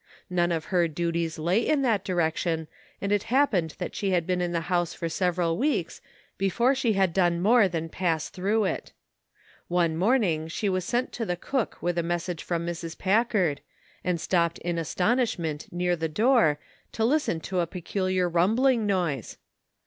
None of her duties lay in that direction, and it happened that she had been in the house for several weeks before she had done more than pass through it. One morning she was sent to the cook with a message from Mrs. Packard, and stopped in astonishment near the door to listen to a pecu liar rumbling noise.